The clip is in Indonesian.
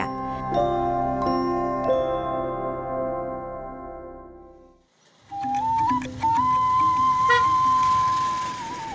kepulauan karimun jawa